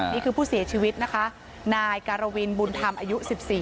นี่คือผู้เสียชีวิตนะคะนายการวินบุญธรรมอายุ๑๔